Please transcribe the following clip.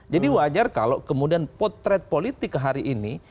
jadi wajar kalau kemudian potret politik ke hari ini